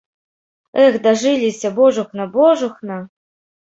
Эх, дажыліся, божухна, божухна!